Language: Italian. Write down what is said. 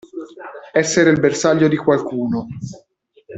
Essere il bersaglio di qualcuno.